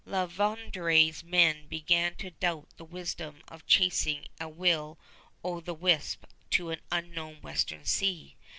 La Vérendrye's men began to doubt the wisdom of chasing a will o' the wisp to an unknown Western Sea.